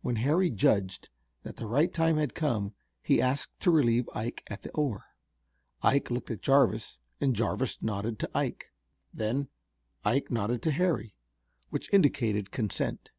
When Harry judged that the right time had come he asked to relieve Ike at the oar. Ike looked at Jarvis and Jarvis nodded to Ike. Then Ike nodded to Harry, which indicated consent.